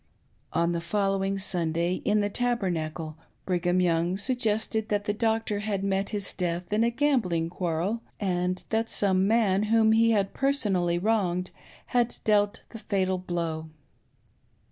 On the fol lowing Sunday, in the Tabernacle, Brigham Young suggested that the doctor had met his death in a gambling quarrel, and that some man whom he had personally wronged had dealt the fatal blow.